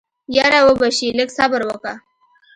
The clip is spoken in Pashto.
يره وبه شي لږ صبر وکه.